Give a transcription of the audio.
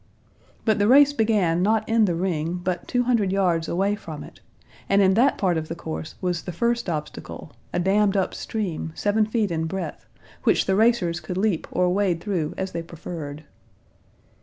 But the race began not in the ring, but two hundred yards away from it, and in that part of the course was the first obstacle, a dammed up stream, seven feet in breadth, which the racers could leap or wade through as they preferred.